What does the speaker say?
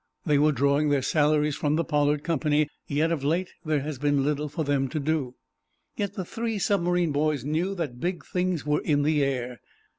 They were drawing their salaries from the Pollard company, yet of late there had been little for them to do. Yet the three submarine boys knew that big things were in the air.